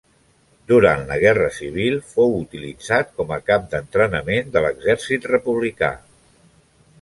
Durant la Guerra Civil fou utilitzat com a camp d'entrenament de l'exèrcit republicà.